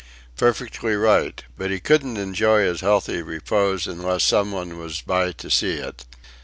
Perfectly right but he couldn't enjoy his healthful repose unless some one was by to see it.